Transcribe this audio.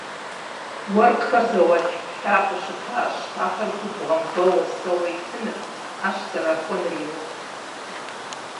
Уэркъхэр зауэлӀ лӀакъуэу щытащ, ахэр губгъуэм вэуэ-сэуэ итыныр, Ӏэщ зэрахуэныр емыкӀут.